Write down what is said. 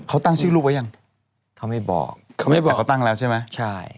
เขาตั้งชื่อลูกไว้ยังเขาไม่บอกเขาไม่บอกเขาตั้งแล้วใช่ไหมใช่